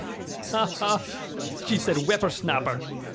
ha! She said whipper snapper!